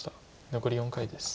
残り４回です。